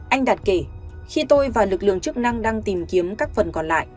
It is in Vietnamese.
anh đạt kể khi tôi và lực lượng chức năng đang tìm kiếm các phần còn lại